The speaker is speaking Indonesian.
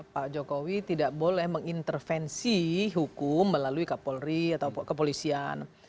pak jokowi tidak boleh mengintervensi hukum melalui kapolri atau kepolisian